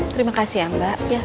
terima kasih ya mbak